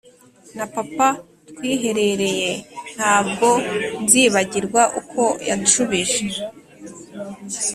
na papa twiherereye Ntabwo nzibagirwa uko yanshubije